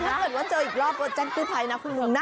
ถ้าเกิดว่าเจออีกรอบก็แจ้งกู้ภัยนะคุณงงนะ